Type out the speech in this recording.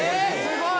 すごい。